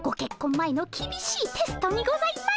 前のきびしいテストにございます。